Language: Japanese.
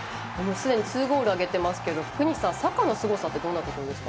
すでに２ゴール挙げていますが福西さんサカのすごさってどんなところですか？